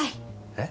えっ？